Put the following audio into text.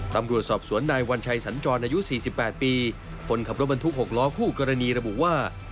ตำรวจสอบสวนนายวัญชัยสัญจรอายุ๔๘ปีคนขับรถบรรทุก๖ล้อคู่กรณีระบุว่า